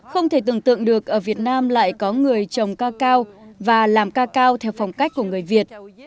không thể tưởng tượng được ở việt nam lại có người trồng cacao và làm cacao theo phong cách của người việt